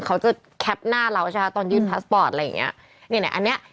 เขาจะแคปหน้าเราใช่ไหมคะตอนยืนพาสปอร์ตอะไรอย่างเงี้ยเนี่ยไหนอันเนี้ย